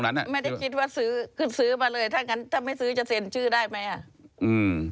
ไม่ได้คิดว่าซื้อคือซื้อมาเลยถ้าไม่ซื้อจะเซ็นชื่อได้ไหม